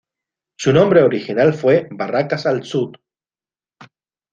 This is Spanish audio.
Su nombre original fue Barracas al Sud.